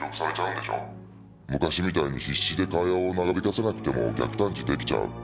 昔みたいに必死で会話を長引かせなくても逆探知出来ちゃう。